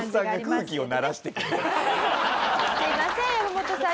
すいません山本さん。